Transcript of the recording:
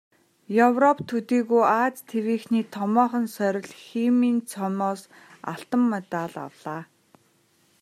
Европ төдийгүй Ази тивийнхний томоохон сорил "Химийн цом"-оос алтан медаль авлаа.